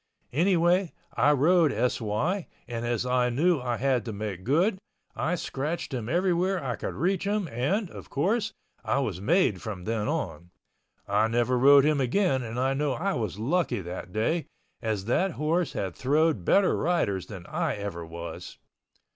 Anyway I rode S.Y. and as I knew I had to make good, I scratched him everywhere I could reach him and, of course, I was made from then on. I never rode him again and I know I was lucky that day, as that horse had throwed better riders than I ever was.